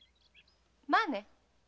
まあね。